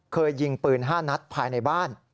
เคยยิงปืน๕นัดภายในบ้าน